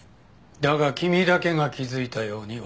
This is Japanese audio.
だが君だけが気づいたように私に思わせた。